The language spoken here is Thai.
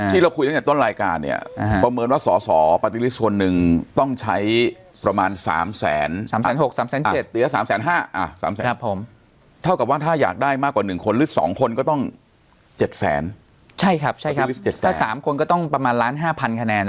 ที่เราคุยมาตั้งแต่ต้นรายการเนี่ยประเมินว่าสอปฏิริชคลิปส่วนนึงต้องใช้ประมาณสามแสน